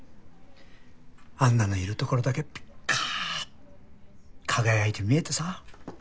安奈のいるところだけピカーッ輝いて見えてさ。